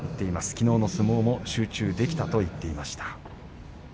きのうの相撲も集中できたと言っていました。